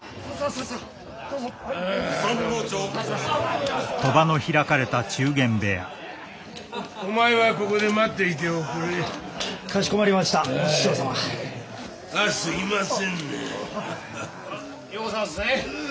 さあようござんすね。